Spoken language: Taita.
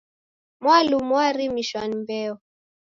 Mwalumu warimishwa ni mbeo